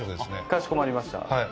かしこまりました。